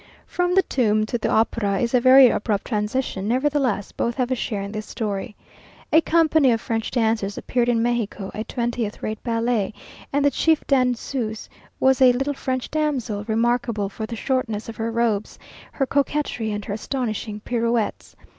From the tomb to the opera is a very abrupt transition; nevertheless, both have a share in this story. A company of French dancers appeared in Mexico, a twentieth rate ballet, and the chief danseuse was a little French damsel, remarkable for the shortness of her robes, her coquetry, and her astonishing pirouettes.